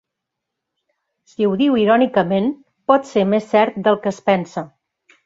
Si ho diu irònicament, pot ser més cert del que es pensa.